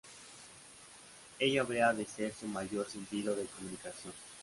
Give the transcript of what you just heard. Ello habría de ser su mayor sentido de comunicación.